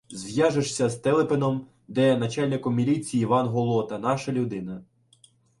Зв'яжешся з Телепином, де начальником міліції Іван Голота — наша людина.